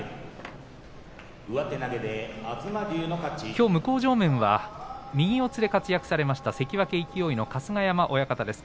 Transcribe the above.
きょう向正面は右四つで活躍されました、関脇勢の春日山親方です。